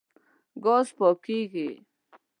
ګاز پاکېږي.